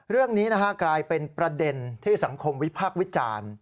เรื่องนี้กลายเป็นประเด็นที่สังคมวิพากษ์วิจารณ์